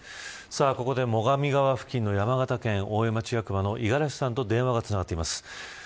ここで最上川付近の大江町役場の五十嵐さんと電話がつながっています。